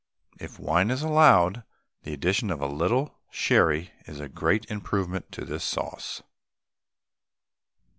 If wine is allowed, the addition of a little sherry is a great improvement to this sauce.